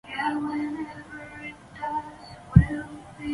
青化乡是中国陕西省宝鸡市眉县下辖的一个乡。